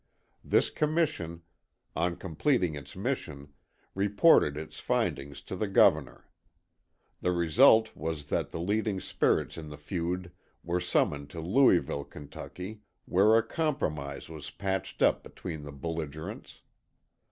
This commission, on completing its mission, reported its findings to the Governor. The result was that the leading spirits in the feud were summoned to Louisville, Ky., where a compromise was patched up between the belligerents.